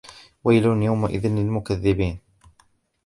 ويل يومئذ للمكذبين